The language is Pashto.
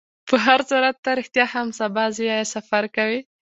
په هرصورت، ته رښتیا هم سبا ځې؟ آیا سفر کوې؟